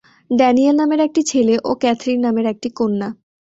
Daniel নামের একটি ছেলে, ও ক্যাথরিন নামের এক কন্যা।